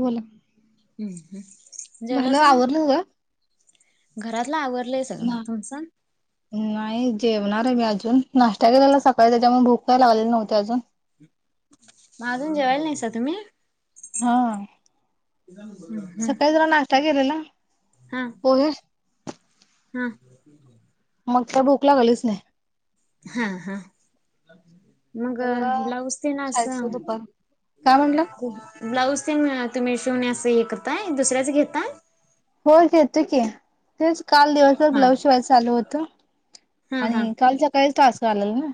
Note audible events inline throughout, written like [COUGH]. बोला. जेवला झालं असन आवरलं सगळं? घरातला आवरलेस. ना [UNINTELLIGIBLE] तुमचा. नाही जेवणार आहे मी अजून नाष्टाला केलेला सकाळी त्याच्यामुळे भूक काय लागलेली नव्हते अजून. अजून जेवायला नाहीसा तुम्ही. हा सकाळी जरा नाष्टा केेले ना पोहे. हम्. मग त्या भूक लागलीच नाही. हम हम्म. मग आता जरा ब्लाउज दे ना असं. खायचं दुपारी. काय म्हटला? ब्लाऊज ते तुम्ही शिवण्या असं हे करताय दुसऱ्याच घेता. हो घेतो की तेच काल दिवस भर हा ब्लाऊज शिवायच चालू होत. हा हा आणि काल सकाळीच टास्क आलेला ना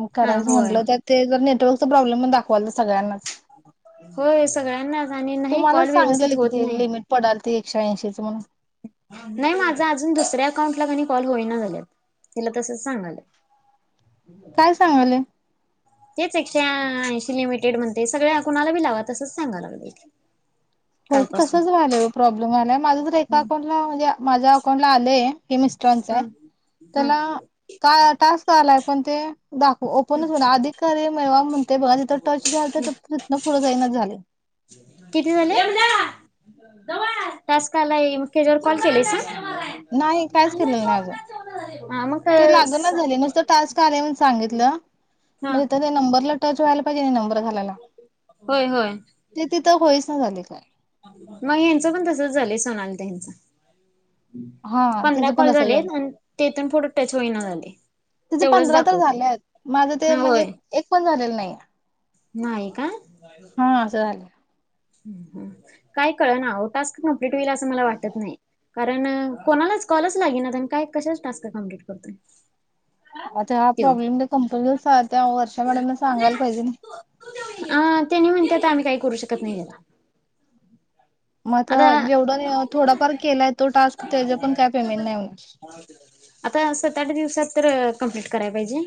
मग हा करायच होय म्हटलं तर. ते जर नेटवर्कच प्रॉब्लम म्हणून दाखवायला चालोय. [INAUDIBLE] होय सगळ्यांना [UNINTELLIGIBLE] नाही कॉल व्यवस्थित होत नाही. लिमिट पडाल ते एकशे ऐंशी च म्हणून. नाही माझा अजून दुसऱ्या अकाउंटला काय नाही कॉल होईना झालेत तिला तसच सांगाल. काय सांगाले. तेच एकशे ऐंशी लिमिटेड म्हणते सगळ्या कुणाला बी लावा तसंच सांगा लागलंय ते. हो तसंच व्हालंय ओ प्रॉब्लेम आल्या माझं तर एका अकाउंटला म्हणजे माझ्या अकाउंटला आले. हे मिस्टरांच हा य हा त्याला काय आता टास्क आलाय पण ते. दाखव ओपनच होईना अधिक कार्य मिळवा म्हणते [UNINTELLIGIBLE] तिथं टच झालं तर तर तिथनं पुढं जाईना झालंय. किती झाले. टास्क आलंय म त्याज्यावर कॉल केलीसा. नाही कायच केलेलं नाही अजून हा मग ते काय. लागनाच झालय नुसतं टास्क आलाय म्हणुन सांगितल हा मग इथं ते नंबरला टच व्हायला पाहिजे नंबर घाला. होय होय [UNINTELLIGIBLE] ते तिथं होईच ना झाले काय. मग ह्याच पण तसच झालंय सोनाली ताईंच. हा पंधरा तिचं पण कॉल तसं झाले झालं आणि तेथून पुढं टच होईना झालयं. तुझे पंधरा तर झालेत माझं ते हा म्हणजे होय एक पण झालेलं नाही. नाही का? हा असं झालय. हम्म काय कळना ओ टास्क कंम्प्लीट होईल असं मला वाटत नाही. कारण कोणालाच कॉलच लागे ना काय? कशाच टास्क कंम्प्लीट करतोय. आता हा त्यो प्रॉब्लेम तर कंपनीला त्या वर्षा मॅडमला सांगायला पाहिजे ना. [INAUDIBLE] आ त्यानी म्हणत्यात आम्ही काही करू शकत नाही. त्याला मग आता जेवढं थोडाफार केलाय तो टास्क त्याच्या पण काय पेमेंट नाही होणार. [INAUDIBLE] आता सत-आट दिवसात तर कंम्प्लीट करायला पाहिजे.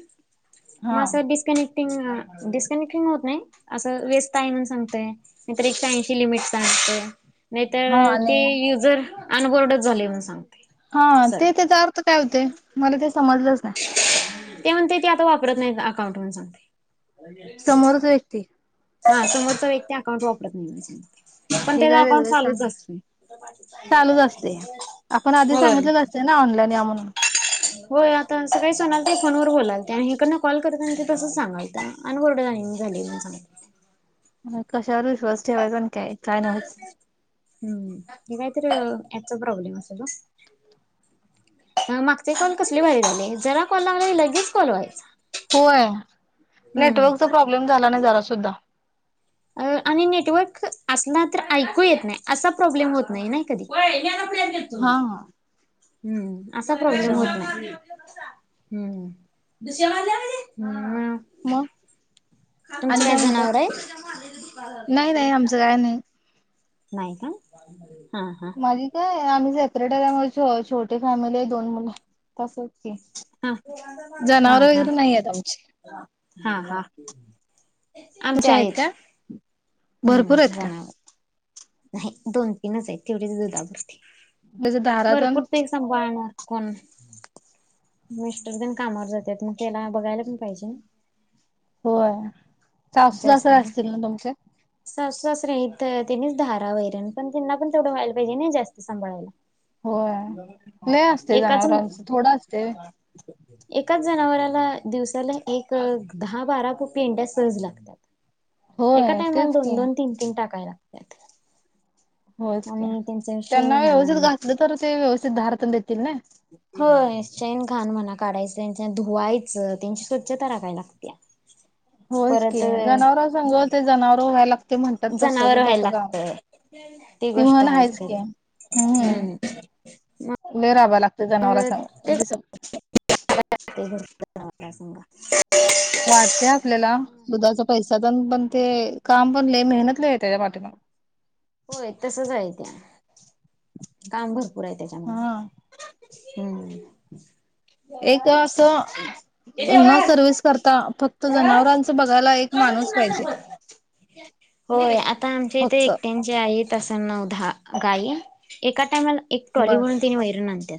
हा मग असं डिस्कनेक्टिंग- डिस्कनेक्टिंग होत नाही असं व्यस्त आहे म्हणून सांगतय. नाही तरी एकशे ऐंशी लिमिट [INAUDIBLE] सांगतय. नाही हा तर.. ते आणि युजर अनबोर्डच झालय म्हणून सांगतय. हा ते तेजा अर्थ काय होतय? मला ते समजलंच नाही. [INAUDIBLE] ते म्हणतय ते आता वापरत नाही अकाउंट म्हणून सांगतय. समोरच व्यक्ती हा समोरचा [INAUDIBLE] व्यक्ती अकाउंट वापरत नाही, पण हे त्याचा काय अकाउंट वेगळंच चालूच सांगा असतय. [INAUDIBLE] चालूच असते. आपण आधी होय [INAUDIBLE] सांगितलेलं असते ना ऑनलाईन या म्हणून होय आ तर सकाळी [INAUDIBLE] सोनाल ताई फोनवर बोलालत्या ते आणि हिकडन कॉल करताना ते तसं सांगालत अनबोर्ड नाही झालय म्हणून सांग म कशावर विश्वास ठेवायचा आणि काय -काय नव्हचं. हम्म आणि काहीतर ऍपचा प्रॉब्लेम असेल ना? मागचे कॉल [INAUDIBLE] कसले भारी झाले जरा कॉल लागला लगेच कॉल व्हायचा. होय, नेटवर्कचा हम्म प्रॉब्लेम झाला नाही जरा सुद्धा. आणि नेटवर्क असला तर ऐकू येत नाही असा प्रॉब्लेम होत नाही ना कधी [INAUDIBLE] हा-हा हम्म असा प्रॉब्लेम होत ना [INAUDIBLE] हं [UNINTELLIGIBLE] हं -हं मग आणि काय म्हणताय? जनावर नाही- नाही आहेत? आमचं काय नाही. नाही का? हा- हा. माझी काय आम्ही सेपरेट आहे. त्यामुळ छो-छोटे फॅमिली आहे दोन मुलं तसच की [INAUDIBLE] हा - [INAUDIBLE] जनावर हा- वगैरे नाही आहेत आमची हा- हा- आमच्या तुझ्या आहेत. का भरपूर आहेत का हं [UNINTELLIGIBLE] नाही दोन, तीनच आहेत तेवढेच दुधापुरती म्हणजे दारात अन भरपूर ते सांभाळणार कोण? मिस्टर तेन कामावर जातात मग त्याला बघायला पण पाहिजे ना. होय. सासू जास्त सासरे ना [UNINTELLIGIBLE] असतील तुमचे सासूसासरे हाइत. त्यांनीच धारा, वैरेण पण त्यांना पण तेवढं व्हायला पाहिजे नय जास्त सांभाळायला. होय लय [INAUDIBLE] असते एकाच [INAUDIBLE] जनावरांचं थोडं असते एकाच जनावराला दिवसाला एक दहा, बारा पेंढ्या सहज लागण्यात. एका होय टाइमाला तेच दोन- की दोन, तीन -तीन टाकाय लागत्यात. होयचकी, त्यांना व्यवस्थित घातलं तर ते व्यवस्थित धार तेन देतील नय. होय शेण- घाण म्हणा काढायचं त्यांच्या धुवायचं त्यांची स्वच्छता राखाय लागत्या. होयच की परत जनावरा संग ते जनावर व्हाय लागतय म्हणतात तस जनावर तू व्हायला तस गाव लागत ती म्हण आहेच की. हं हम्म लय राबायला लागतय मग जनावरा संग दिस ते भरपुर ला संगा [UNINTELLIGIBLE] वाटतय आपल्याला दुधाचा पैसा पण- पण ते काम पण लय मेहनत लय त्याच्या पाठीमाग. होय तसच आहे ते. काम भरपूर आहे त्याच्या माग हा. [INAUDIBLE] हम्म [INAUDIBLE] एक असं [INAUDIBLE] न सर्व्हिस करता फक्त जनावरांच बघायला एक माणूस पाहिजे. होय आता आमच्या इथे फक्त एक म्हजे आहेत अशा नऊ दहा गाई एका टाईमला एक टॉली बर भरून तेनी वैरण आणत्यात.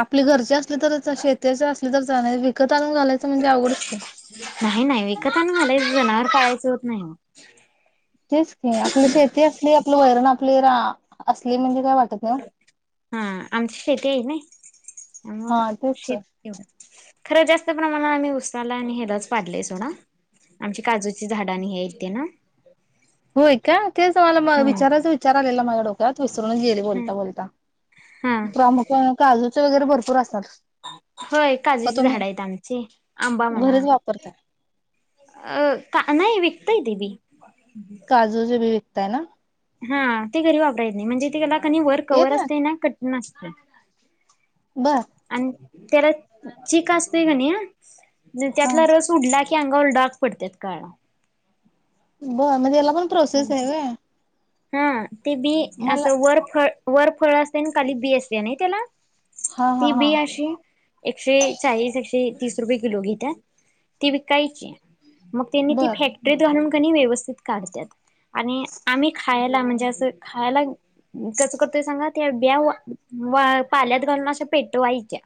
आपले घरचे असले तरच शेत्याचे असली तर चागलंय विकत आणून घालायच म्हणजे अवघडच की, नाही नाही विकत आणून घालायच जनावर पाळायचं होत नाही ओ तेच की आपलं शेती असली आपलं वैरण आपली रा असली म्हणजे काय वाट हा आमची शेती हाय नय त्यामुळं हा तेच शेत की. एवढं, खरं जास्त प्रमाण आम्ही उसाला आणि हेलाच पाडलय सोडा आमची काजूची झाड आणि हे हाईत ते ना होय का तेच मला म हम्म विचाराच विचार आलेला माझ्या डोक्यात विसरूनच गेले. हम्म बोलता बोलता, हा प्रामुख्याने काजूच वगैरे भरपूर असतात. होय. का काजूची तुम्ही झाड आहेत आमची आंबा म्हणा घरीच वापरताय अ का नाही विकतय ते बी काजूची बी विकताय ना हा ते घरी वापराय येत नाय म्हणजे त्येला कणी वर कवर असतय ना कटीन असतय. बरं आणि त्याला चिक असतोय काणी हा त्यातला रस उडला की अंगावर डाग पडत्यात काळा बरं म त्याला पण प्रोसेस हाय व्हय. हा ते बी मला असं वर फळ, वर फळ असतय आणि खाली बी असतय नय त्याला हा हा ती हा बी अशी एकशे चाळीस एकशे तीस रुपये किलो घेत्या. ती विकायची. मग त्यांनी ती बर फॅक्टरीत घालून कणी व्यवस्थित काढत्यात आणि आम्ही खायला म्हणजे असं खायला कसं करतोय सांगा त्या ब्या वा पाल्यात घालून अशा पेटवायच्या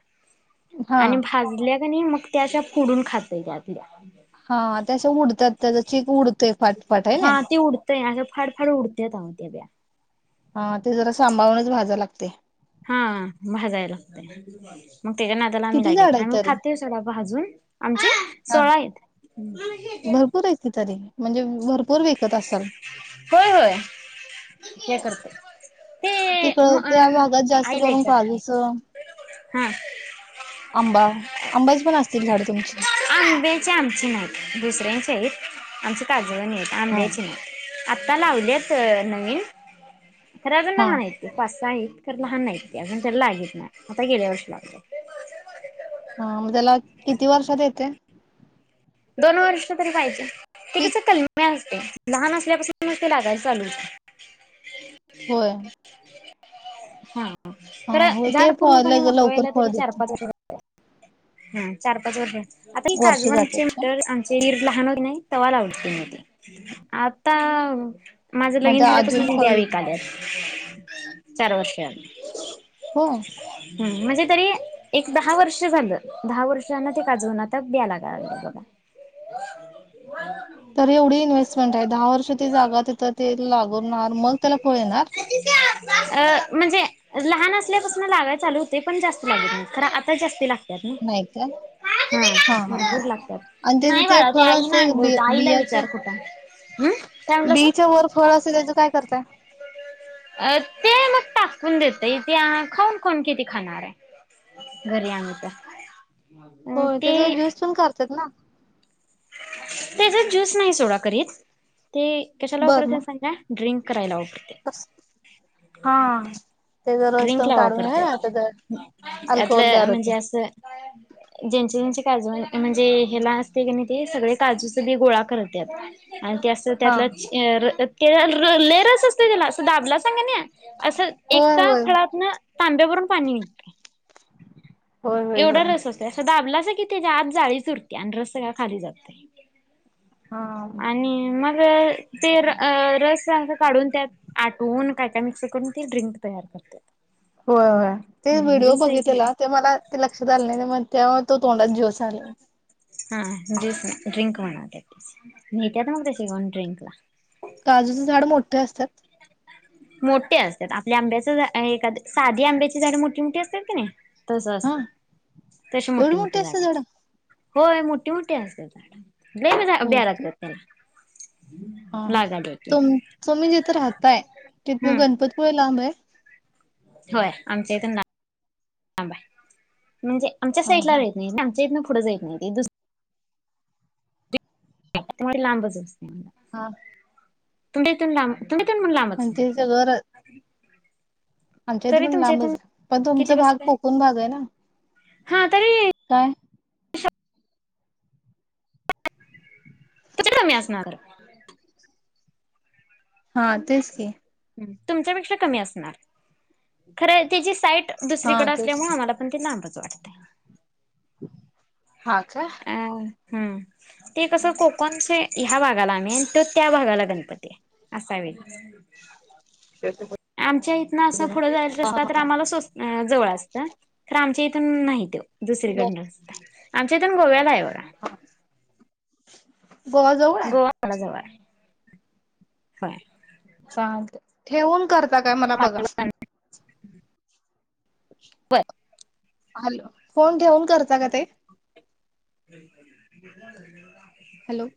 हा आणि भाजल्या का नय मग त्याच्या फोडून खातय त्या आतल्या हा ते अशा उडतात त्या चीक उडतय फाटफाट हाय नी हा ते उडतंय अशा फाड फाड उडत्यात आहो त्या ब्या हा ते जरा सांभाळूनच भाजावं लागतय. हा भाजाय लागतंय मग त्याच्या नादाला आम्ही किती लागे झाड आहेत आम्ही तरी खाते त्याला भाजून आमचे सोळा आहीत. हूं रपूर हाईत की तरी म्हणजे भरपूर विकत असाल होय होय. हे करतोय. तिकड त्या भागात जास्त आईला करून विचार काजूच हा आंबा आंब्यांची पण असतील झाडं तुमची आंब्याची आमची नाहीत दुसऱ्यांच्या हाईत आमची काजूं वाणी आहेत हा आंब्याची नाय. आता लावल्यात नवीन, खरं अजून हा लहान हाईत. पाचं सहा हाईत, खरं लहान हाईत ती, अजून त्याला लागीत नाय आता गेल्या वर्षी लाव हा म त्याला किती वर्षात येतय? दोन वर्ष तरी पाहिजे, ते पीक कसं कलमी असतय. लहान असल्यापासूनच ते लागाय चालू होत होय. हा हा खर हो ते झाड फळ पूर्णपणे मोठं लवकर व्हायला फळ तरी चार देते पाच [UNINTELLIGIBLE] हं चार पाच वर्ष आता ही वर्ष जातात काजवांचे का आमचे दीर लहान होते की नाय तवा लावलेत त्यांनी ते आता माझं मग लगीन अजून झाल्यापासन फळ ब्या देते विकाल्यात चार वर्ष झाली हो. हम्म म्हणजे तरी एक दहा वर्ष झालं दहा वर्षना ते काजवून आता ब्या लागावला बघा. [UNINTELLIGIBLE] तर एवढी इन्व्हेस्टमेंट आहे. दहा वर्ष ती जागा तिथं ते लागवू नॉर्मल त्याला फळ येणार अ म्हणजे [UNINTELLIGIBLE] लहान असल्यापासून लागाय चालू होते. पण जास्त लागल नाही खर आता जास्ती लाग नाही का? हो बरोबर लागतात आणि त्याचे नाही. बाळा ते फळ आई ना असे आणली बि होती आईला बियाच्या विचार कुठ ह काय म्हटलं सा त्याच्या वर फळ असेल त्याच काय करताय? अ ते मग टाकून देतय. ते खाऊन कोन किती खाणार आहे. घरी आणच्या अ ते तुम्ही करतात ना. त्याचा ज्यूस नाही सोडा करीत ते कशाला वापरत सांगा. ड्रिंक करायला वापरत. कस हा त्याचा रस ड्रिंक पण ला काढून आहे ना वापरतात. त्याचा अल्कोहोल त्यातलं तयार होते म्हणजे असं, ज्यांची ज्यांची काळजू आणि म्हणजे हेला असते. की नाही. ते सगळे काजूचे बी गोळा करत्यात आणि ते असं हा त्यातला र ले लेअर असते. असं त्याला दाबला सांग ना असं. होय एका होय फळातन तांब्यावरून पाणी निघते होय होय एवढा होय रस असत असा दाबलाच की त्याच्या आत जाळी च उरते आणि रस सग का खाली जातोय. हा आणि मग ते रस काढून त्यात आटून काय का मिक्स करून ती ड्रिंक तयार करते. होय हो ते व्हिडिओ बघितलेला. घरी ते मला ते लक्षात आलं नाही. तेव्हा तो तोंडात ज्यूस आलो. हा ज्यूस ड्रिंक म्हणवत नहितात मग तशी घऊन ड्रिंकला [UNINTELLIGIBLE] काजूचे झाड मोठे असतात? मोठे असतात. आपल्या आंब्याच एखाद साधी आंब्याची झाडे मोठी मोठी असतात की नाही. तस हा असत तशी मोठी मोठी झाड असत्यात. होय मोठी मोठीे असते. झाड ब्या लात होय त्याला हा लागायला की तुम तुम्ही जिथं राहताय. तिथ म हम्म गणपतीपुळेला आंब आहे. होय आमच्या इथू लाब आहे. म्हणजे आमच्या हा साईड ला हा नाही. आमच्या पुढं जा येत नाही. ते त्यामुळे लांबच असते. मला हा तुमच्या इथून ला तुमतून म्हण लांबच ना वर आमच्या इथ तरी पण तुमच्या इथून लांबच आहे. पण तुमचा किती भाग बसतय कोकण भाग आहे ना हा तरी काय कुठ कमी असणार. हा तेच की तुमच्यापेक्षा कमी असणार. खर त्याची साईट हा दुसरीकडे तेच असल्यामुळे की आम्हाला पण ते लांबच वाटत हा काय ह हम्म ते कसं कोकणच्या ह्या भागाला आम्ही तो त्या भागाला गणपती आहे असा आहे वय [UNINTELLIGIBLE] आमच्या इथनं असं पुढं जायच रस्ता, तर आम्हाला सो जवळ असत, तर आमच्या इथून नाहीत्यो दुसरीकडन. आमच्या इथून गोव्याला आहे बघा. गोवा जवळ आहे? [UNINTELLIGIBLE] चालत. ठेवून करता काय मला बघा? मालवण हॅलो, फोन ठेवून करत [UNINTELLIGIBLE] हॅलो.